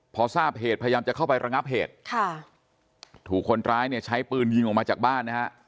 พอทราบเหตุพยายามจะเข้าไประงับเหตุค่ะถูกคนร้ายเนี่ยใช้ปืนยิงออกมาจากบ้านนะฮะ